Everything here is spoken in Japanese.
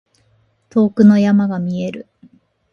遠くの山が見える。